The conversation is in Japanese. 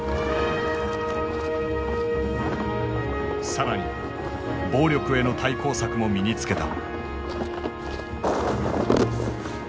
更に暴力への対抗策も身につけた。